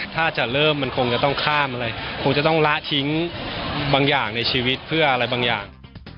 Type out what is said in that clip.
ถ้าจะเริ่มมันคงจะต้องข้ามอะไรคงจะต้องละทิ้งบางอย่างในชีวิตเพื่ออะไรบางอย่าง